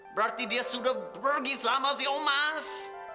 berarti dia sudah pergi sama si omas